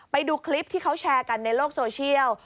ไปดูคลิปที่เขาแชร์กันในโลกโซเชียล